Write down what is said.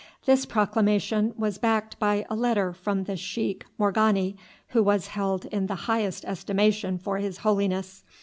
This proclamation was backed by a letter by the Sheik Morghani, who was held in the highest estimation for his holiness.